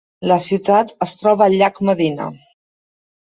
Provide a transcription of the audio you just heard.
La ciutat es troba al llac Medina.